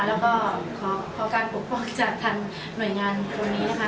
แล้วก็ขอการปกป้องจากทางหน่วยงานตรงนี้นะคะ